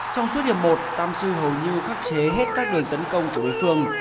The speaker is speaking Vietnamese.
trong suốt điểm một tamsu hầu như khắc chế hết các đường tấn công của đối phương